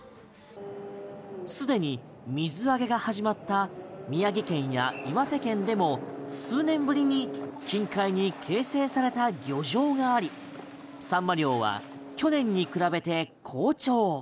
既に水揚げが始まった宮城県や岩手県でも数年ぶりに近海に形成された漁場がありサンマ漁は去年に比べて好調。